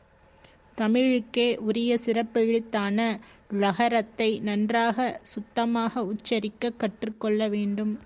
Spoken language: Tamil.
தமிழுக்கே உரிய சிறப்பெழுத்தான ழகறத்தை நன்றாகச் சுத்தமாக உச்சரிக்கக் கற்றுக் கொள்ள வேண்டும்.